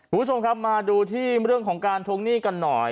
คุณผู้ชมครับมาดูที่เรื่องของการทวงหนี้กันหน่อย